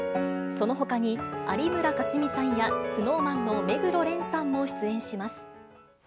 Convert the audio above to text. そのほかに、有村架純さんやＳｎｏｗＭａｎの目黒蓮さんも出演します。